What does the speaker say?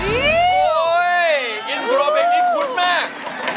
โอ้โหอินโทรเพลงนี้คุ้นมาก